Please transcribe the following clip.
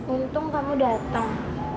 untung kamu dateng